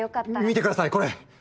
見てくださいこれ！